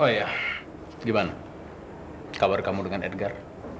oh ya gimana kabar kamu dengan edgar